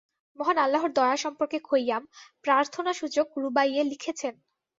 মহান আল্লাহর দয়া সম্পর্কে খৈয়াম প্রার্থনাসূচক রুবাইয়ে লিখেছেন